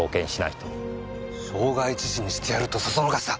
傷害致死にしてやるとそそのかした！